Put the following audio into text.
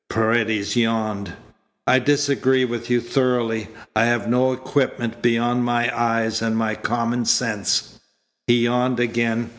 Paredes yawned. "I disagree with you thoroughly. I have no equipment beyond my eyes and my common sense." He yawned again.